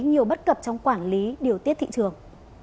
nhiều bất cập trong quản lý điều tiết thị trường